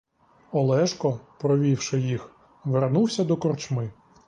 Олешко, провівши їх, вернувся до корчми.